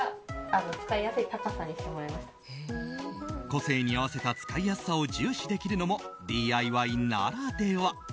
個性に合わせた使いやすさを重視できるのも、ＤＩＹならでは。